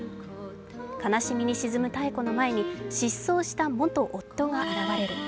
悲しみに沈む妙子の前に失踪した元夫が現れる。